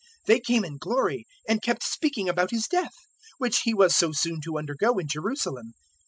009:031 They came in glory, and kept speaking about His death, which He was so soon to undergo in Jerusalem.